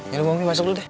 ya lu mami masuk dulu deh